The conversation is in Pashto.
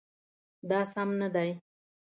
دا سم نه دی